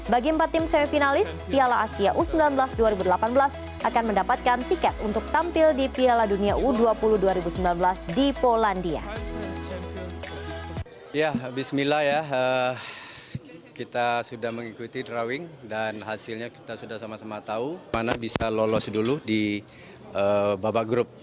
bagi empat tim semifinalis piala asia u sembilan belas dua ribu delapan belas akan mendapatkan tiket untuk tampil di piala dunia u dua puluh dua ribu sembilan belas